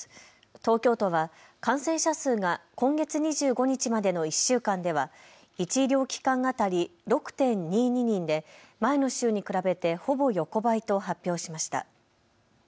東京都は感染者数が今月２５日までの１週間では１医療機関当たり６．２２人で前の週に比べてほぼ横ばいと発表しました。